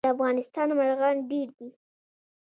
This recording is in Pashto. د افغانستان مرغان ډیر دي